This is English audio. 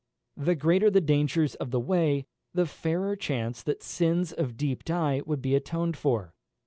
The greater the dangers of the way, the fairer chance that sins of deep dye would be atoned for.